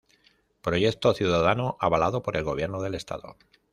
Proyecto ciudadano avalado por el Gobierno del Estado.